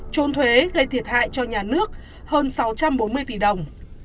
trốn thuế gây thiệt hại cho nhà nước hơn sáu trăm bốn mươi tỷ đồng